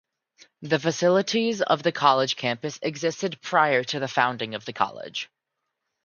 The facilities of the college campus existed prior to the founding of the college.